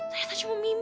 ternyata cuma mimpi